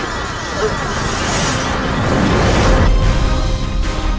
ada tujuh tahun sudah masuk kehidupan allah